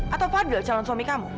atau pada calon suami kamu